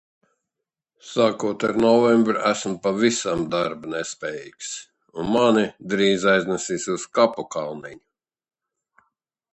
Sākot ar novembri esmu pavisam darba nespējīgs un mani drīz aiznesīs uz kapu kalniņu.